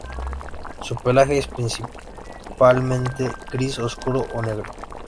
Su pelaje es principalmente gris oscuro o negro.